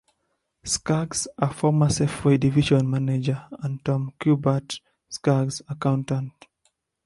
Skaggs, a former Safeway division manager, and Tom Cuthbert, Skaggs' accountant.